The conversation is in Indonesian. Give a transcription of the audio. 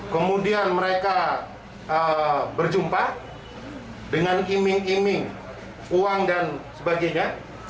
kemudian mereka berjumpa dengan iming iming uang dan sebagainya